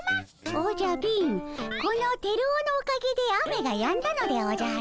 おじゃ貧このテルオのおかげで雨がやんだのでおじゃる。